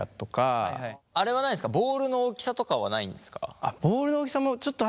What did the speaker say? ボウルの大きさとかはないんですか？